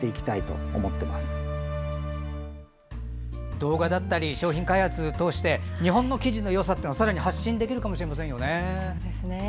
動画だったり商品開発を通して日本の生地のよさをさらに発信できるかもしれないですね。